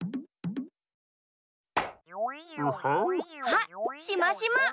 あっしましま！